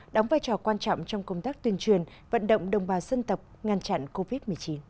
đóng vai trò quan trọng trong công tác tuyên truyền vận động đồng bào dân tộc ngăn chặn covid một mươi chín